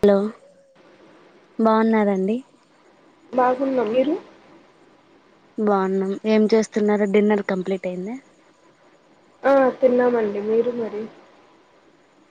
Hello బాగున్నారండీ బాగున్నాం మీరు బాగున్నాం ఏం చేస్తున్నారో డిన్నర్ కంప్లీట్ అయింద ఆ తిన్నామండి మీరు మరి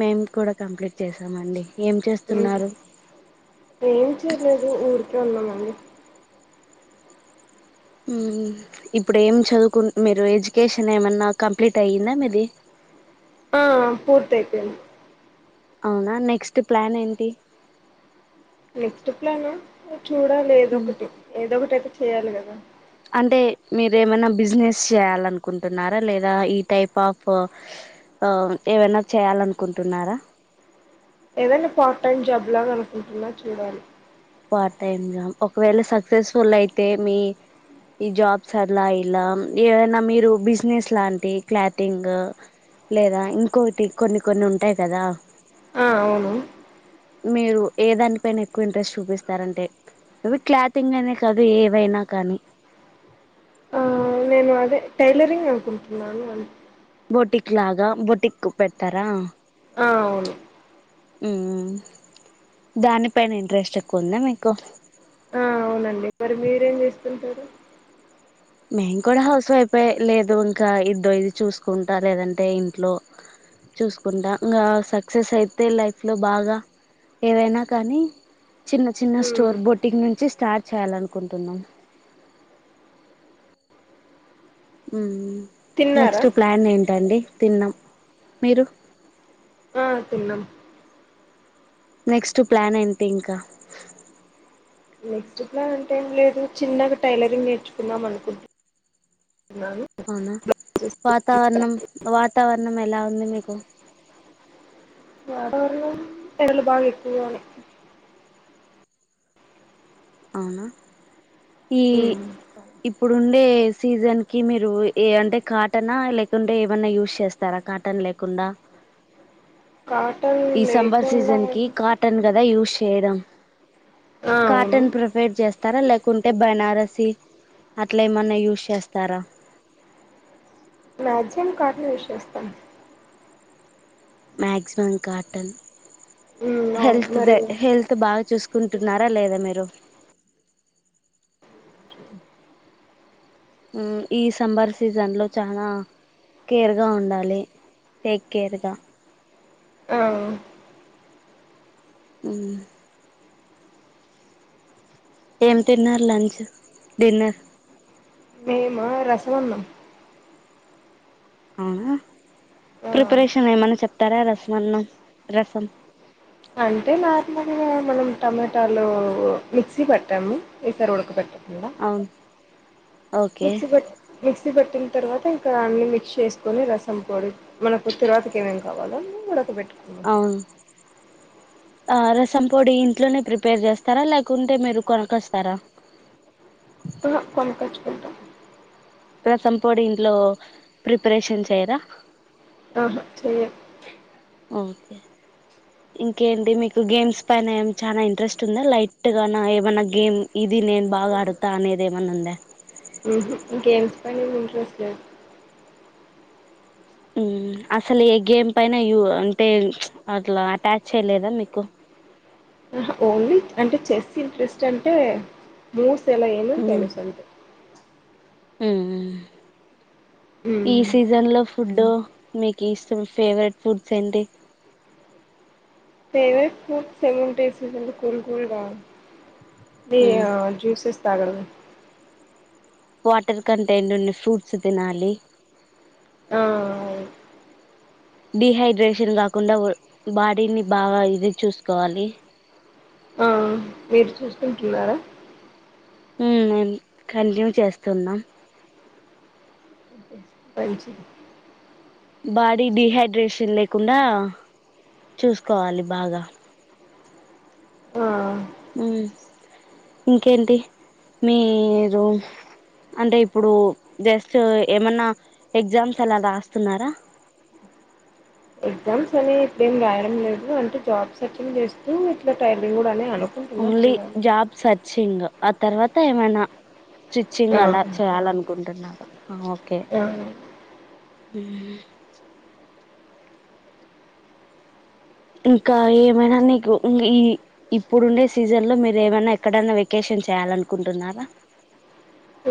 మేం కూడా కంప్లీట్ చేసామండి ఏం ఏం చచేయలేదు ఊర ఏమనింది ఊ ఇప్పుడు ఏం చదువుకు మీరు ఎడ్యుకేషన్ ఏమన్నా కంప్లీట్ అయ్యిందా మీది ఫోర్త్ అయిపోయింది అవునా నెక్స్ట్ ప్లాన్ ఏంటి నెక్స్ట్ ప్లాన్ చూడాలి మ్మ్ ఏదొక్కటి ఏదొక్కటి అయి చేయాలి కదా అంటే మీర ఏమైనా బిజినెస్ చేయ్యాలనుకుంటున్నారా లేదా ఈ టైప్ ఆఫ్ ఆ ఏమైనా చేయాలనుకుంటున్నారా ఏదైనా పార్ట్ టైమ్ జాబ్ లాగా అనుకుంటున్నా చూడాలి పార్ట్ టైమ్ జాబ్ ఒకవేళ సక్సెస్ఫుల్ అయితే మీ ఈ జాబ్స్ అలా ఇలా ఏదైనా మీరు బిజినెస్ లాంటి క్లాటింగ్ లేదా ఇంకోటి కొన్ని కొన్ని ఉంటాయి కదా ఆ అవును మీరు ఏ దానిపైన ఎక్కువ ఇంట్రెస్ట్ చూపిస్ స్తారంటే అవి క్లాతింగ్ అనే కాదు ఏవైనా కానీ ఆ నేను అదే టైలరింగ్ అనుకుంటున్నాను అ బోటిక్ లాగా బోటిక్ పెడతారా ఆ అవును ఉ దానిపైన ఇంట్రెస్ట్ ఎక్కువందా మీకు ఆ అవునండి మరి మీరేం చేస్తుంటారు మేము కూడా హౌస్ వైఫే లేదు ఇంకా ఇదో ఇది చూసుకుంటా లేదంటే ఇంట్లో చూసుకుంటా ఇంకా సక్సెస్ అయితే లైఫ్ లో బాగా ఏదైనా కానీ చిన్న చిన్న హ్మ్. స్టోర్ బోటిక్ నుంచి స్టార్ట్ చేయాలనుకుంటున్నాం ఉ తిన్నారా? నెక్స్ట్ ప్లాన్ ఏంటండి తిన్నాం మీరు ఆ తిన్నాం నెక్స్ట్ ప్లాన్ ఏంటి ఇంకా నెక్స్ట్ ప్లాన్ అంటూ ఏం లేదు చిన్నగా టైలరింగ్ నేర్చుకుందాం అనుకుంటున్న అవునా వాతావరణం వాతావరణం ఎలా ఉంది మీకు వాతావరణం ఎండలు బాగా ఎక్కువగా ఉన్నాయి అవునా ఈ ఇప్పుడు ఉండే సీజన్ కి మీరు ఏ అంటే కాటనా లేకుంటే ఏమన్నా యూస్ చేస్తారా కాటన్ లేకుండా కాటన్ ఈ సమ్మర్ లేకుండా సీజన్ కి ఉంటే కాటన్ కదా యూస్ ఎడం ఆ ఆవును కాటన్ ప్రిఫేర్ చేస్తారా లేకుంటే కుంటే బనారసీ అట్లా ఏమన్నా యూస్ చేస్తారా మ్యాగ్సిమం కాటన్ యూస్ చేస్తాం మాక్సిమం కాటన్ ఉమ్ అవును హెల్త్ ద మరియు హెల్త్ బాగా చూస్ కుంటున్నారా లేదా మీరు ఈ సమ్మర్ సీజన్లో చాలా కేర్గా ఉండాలి టేక్ కేర్గా ఆ ఉ ఏం తిన్నారు లంచ్ డిన్నర్ మేమా రసం అన్నం అవునా ఆ ప్రిపరేషన్ ఏమైన్నా చెప్తారా రసమన్నం రసం అంటే నార్మల్గా మనం టమాటాలు మిక్సీ పట్టాము ఈసారి ఉడకబెట్టాలేదు ఎలా అవును ఓకే మిక్సి బట్ మిక్సి బట్టింటే తర్వాత ఇంకా అన్ని మిక్స్ చేసుకొని రసం పొడి మనకు తిరువాతకి ఏమేమేం కావాలో ఉడక పెట్టుకు అవును రసం పొడి ఇంట్లోనే ప్రిపేర్ చేస్తారా లేకుంటే మీరు కొనక్కస్తార కొనుకొచ్చుకుంటాం రసం పొడి ఇంట్లో ప్రిపరేషన్ చేయరా ఆహా చేయ ఓకే ఇంకేంటి మీకు గేమ్స్ పైన చాలా ఇంట్రెస్ట్ ఉందా లైట్గా ఏమైన్నా గేమ్ ఇది నేను బాగా ఆడుతా అనేది ఏమైన్నా ఉందా ఉహు గేమ్స్ పైన ఇంట్రెస్ట్ లేదు ఊ అసలు ఏ గేమ్ పైన అంటే అట్లా అటాచ్ చేయలేదా మీకు ఓన్లీ అంటే చెస్ ఇంట్రెస్ట్ అంటే మోస్ట్ [unintelligible] తెలుసు అంతే ఊ ఈ హ్మ్. సీజన్ లో ఫుడ్ మీకు ఇష్టం ఫేవరెట్ ఫుడ్స్ ఏంటి తెనే [unintelligible] కూల్ కూల్గా మ్మ్ అ జ్యూసెస్ తగల వాటర్ కంటైంట్ ఉన్న ఫ్రూట్స్ తినాలి. ఆ డిహైడ్రేషన్ కాకుండా బాడీని బాగా ఇది చూసుకోవాలి. వేరు చూసుకుంతున్నారా మేను కంటిన్యూ చేస్తున్నాం పంచి బాడీ డిహైడ్రేషన్ లేకుండా చూసుకోవాలి బాగా ఆ ఉం ఇంకేంటి మీరు అంటే ఇప్పుడు జస్ట్ ఏమన్నా ఎగ్జామ్స్ అలా రాస్తున్నారా? ఎగ్జామ్స్ అనే ఇప్పుడేం రాయడం లేదు అంటే జాబ్స్ అటెండ్ చేస్తూ ఇట్లా ట్రై నింగుడ అనే అనుకుంటున్నా చూడాలి సింగ్ ఆ తర్వాత ఏమైనా స్టిచ్చింగ్ ఆ! అలా చేయాలనుకుంటున్నా స ఆ ఓకే ఆ! అ ఇంకా ఏమైనా నీకు ఈ ఇప్పుడుండే సీజన్ లో మీరు ఏమైనా ఎక్కడైనా వెకేషన్ చేయాలనుకుంటున్నారా?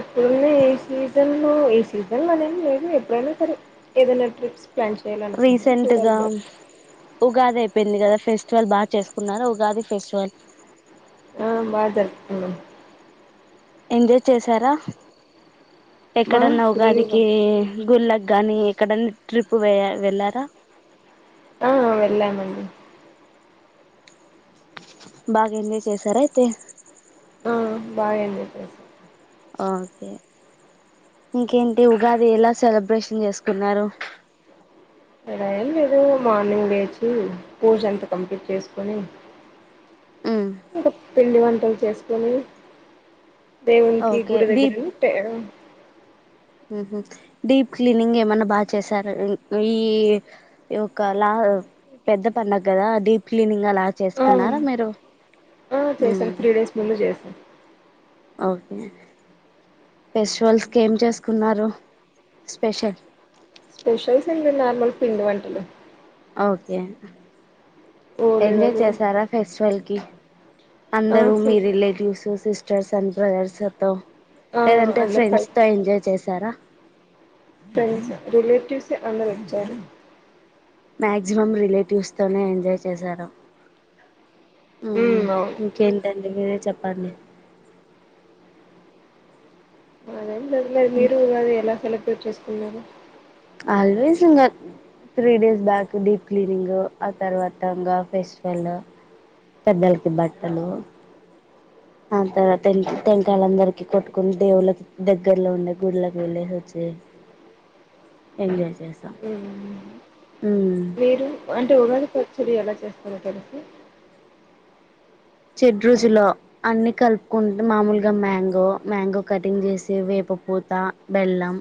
ఇప్పుడున్న ఏ సీజన్ లో ఏ సీజన్ లో అనే లేదు ఎప్పుడైనా సరే ఏదైనా ట్రిప్స్ ప్లాన్ చేయాలనుకుంటున్నాం చూడాలి రీసెంట్గా మరి ఉగాదే అయింది కదా ఫెస్టివల్ బాగా చేసుకున్నారా ఉగాది ఫెస్టివల్ ఆ బాగా జరుపుకున్నాం ఎంజాయ్ చేశారా? బా ఎక్కడన్నా ఫుల్గా ఉగాదికి గుర కానీ ఎక్కడనా ట్రిప్ వె వెళ్ళారా? ఆ వెళ్ళామండి. బాగా ఎంజాయ్ చేసార అయితే ఆ బాగా ఎంజాయ్ చేశాం ఆ ఇంకేంటి ఉగాది ఎలా సెలబ్రేషన్ చేసుకున్నారు అలా ఏం లేదు మార్నింగ్ లేచి పూజ అంత కంప్లీట్ చేసుకొని ఉమ్ [unintelligible] పిండి వంటలు చేసుకొని దేవునికి ఓకే గుడి దగ్గర ఉట్ట హ డీప్ క్లీనింగ్ ఏమన్నా బాగా చేసారా ఈ ఒకలా పెద్ద పండగ కదా డీప్ క్లీనింగ్ అలా చేసుకున్నారా మీరు ఉమ్ చేశాను త్రీ డేస్ ముందు చేశాను ఓకే ఫెస్టివల్స్కి ఏం చేసుకున్నారు స్పెషల్ స్పెషల్స్ ఏం లేదు నార్మల్ పిండి వంటలే ఓకే ఎంజాయ్ ఓలిగలు చేసారా ఫెస్టివల్ లే ఆ అందరూ మీ ఫుల్ రిలేటివ్స్ సిస్ చేశాన్ బ్రో ఎట్టి చేద్దాం ఆ లేదంటే అందరు ఫ్రెండ్స్ కలిసి తో ఎంజాయ్ చేశారా ఫ్రెండ్స్ రిలేేటివ్స్ ఏ అందరూ వచ్చారు మాక్సిమం రిలేటివ్స్ తోనే ఎంజాయ్ చేశాను ఉమ్ ఇకేంటండి మీరే చెప్పండి [unintelligible] లేదు లేదు మీరు ఉగాది ఎలా సెల్ బ్రేట్ చేసుకున్నారు ఆల్వేస్ ఇంకా three days back deep cleaning ఆ తర్వాత ఇంకా ఫెస్టివల్ పెద్దలకి బట్టలు ఆ తర్వాత టెం టెంకాయలందరికి కొట్టుకుని దేవుళ్ళకి దగ్గర్లో ఉండే గుళ్ల కి వెళ్ళేసి వచ్చి ఎంజాయ్ చేశాం ఉమ్ మీరు అన్ టు ఉగాది పచ్చడి ఎలా చేస్తారో తెలుసా చెడ్ రుచులో అన్ని కలుపుకుంట మామూలుగా మ్యాంగో మ్యాంగో కటింగ్ చేసి వేప పూత బెల్లం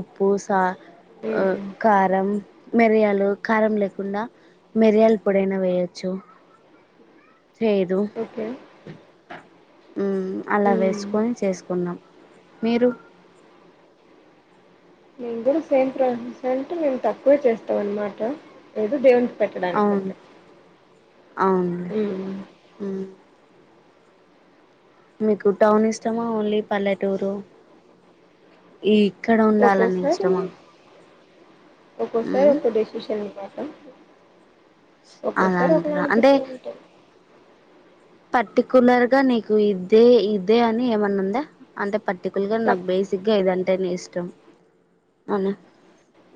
ఉప్పు సా ఉమ్ కారం మిరియాలు కారం లేకుండా మిరియలు పొడైన వేయొచ్చు చేదు ఓకే ఉమ్ అలా ఉమ్ వేసుకొని చేసుకున్నాం మీరు మేము కూడా సేమ్ ప్రాసెస్ అంటే మేము తక్కువే చేస్తాం అన్నమాట ఏదో దేవుని అవును అవును ఉమ్ ఉమ్ మీకు టౌన్ ఇష్టమా ఓన్లీ పల్లెటూరు ఈ ఇక్కడ ఉండాలని ఒక్కోసారి ఇష్టమా ఒక్కోసారి మ్మ్ ఒక్క డెసిషన్ [unintelligible] అలా ఒక్కోసారి ఒకలా అంటారా అంటే అనిపిస్తా ఉంటారు పర్టికులర్ గా నీకు ఇదే ఇదే అని ఏమన్నా ఉందా అంటే ప తి కూల్ గా నా బేసిక్ గా ఇదాంత టే నీ ఇష్టం అవునా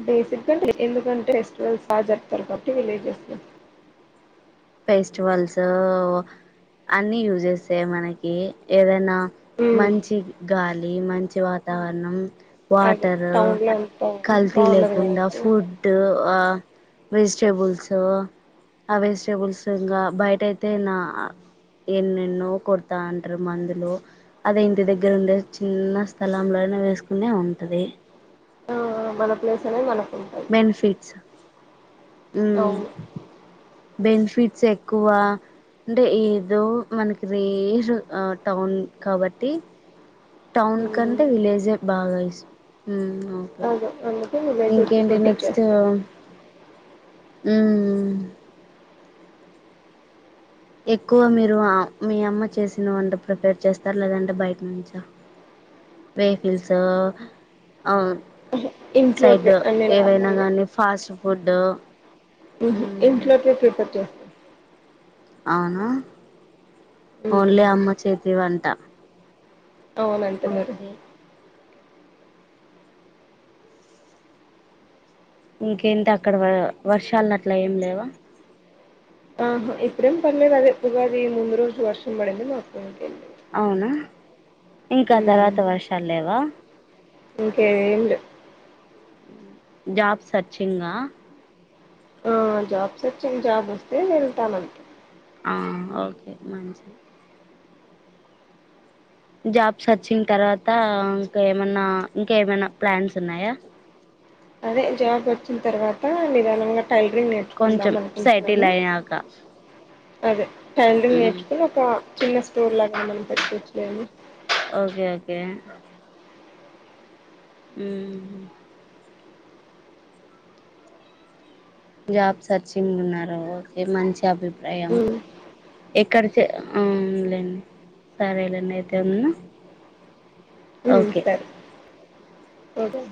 బేసిక్ గా తేలి ఎందుకంటే ఫెస్టివల్స్ బాగా జరుపుతారు కాబట్టి విలెజెస్ ఫెస్టివల్స్ అన్ని యూజ్ చేస్తాయి మనకి ఏదైనా ఉమ్ మంచి గాలి మంచి వాతావరణం అదే వాటరు టౌన్ లో ఎంత కల్తీ బాగుండదు లేకుండా కాబట్టి ఫుడ్ వెజిటేబుల్స్ ఆ వెజట టేబుల్స్ ఇంకా బయట అయితే నా ఎన్నెన్నో కొడతా అంటారు మందులు అది ఇంటి దగ్గర ఉండే చిన్న స్థలంలోనే వేసుకునే ఉంటది ఆ మన ప్లేస్ అనేది మన బెనిఫిట్స్ ఉమ్ అవును బెనిఫిట్స్ ఎక్కువ అంటే ఏదో మనకి రేర్ టౌన్ కాబట్టి టౌన్ కంటే విలేజే బాగా ఇస్ ఓకే అవును అవును ఇంకేంటి నెక్స్ట్ మ్మ్ ఎక్కువ మీరు మీ అమ్మ చేసిన వంట ప్రిఫర్ చేస్తార లేదంటే బయటి నుంచ సెడ్ ఇంట్లోటివే అన్ని ఏదైనా నార్మల్గా గానీ ఫాస్ట్ ఫూడ్డు ఉహూ ఇంట్లోటివే ప్రిపర్ చేస్తా అవునా ఓన్లీ అమ్మ చేతి వంట అవునంటన్నారు ఓకే ఇంకేంటి అక్కడ వ వర్షాలు అట్లా ఏం లేవా ఉహు ఇప్పుడేం పడ్లెదు అదే ఉగాది ముందు రోజు వర్షం పడింది మళ్ళీ అప్పటి నుంచి పల్లే అవునా ఇంకా ఆ తర్వాత వర్షాలు లేవ ప్రిపేర్ [unintelligible] అయ్యిందా జాబ్ సర్చింగా ఆ జాబ్ సెర్చింగ్ జాబ్ వస్తే వెళ్తానం ఆ ఓకే మంచిది జాబ్స్ వచ్చిన తర్వాత ఇంకా ఏమన్నా ఇంకా ఏమైనా ప్లాన్స్ ఉన్నాయా అదే జాబ్ వచ్చిన తర్వాత నిదానంగా టైలరింగ్ కొంచెం నేర్చుకుందాం సైటిల్ అనుకుంటున్నాను అయ్యాక అదే టైలరింగ్ నేర్చుకొ ఒక చిన్న స్టోర్ లాగా ఏమన్న పెట్టుకోవచ్చు ఏవని [unintelligible] ఓకే ఓకే మ్మ్ జాబ్ సెర్చింగ్ ఉన్నారు ఓకే మంచి అభి ఏయం ఉమ్ ఇక్కడ కి అవును లేండి సరే లేండి అయితే ఉందన ఉపా [inaudible] చదివిన